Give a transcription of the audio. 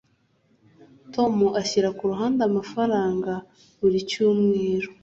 tom ashyira ku ruhande amafaranga buri cyumweru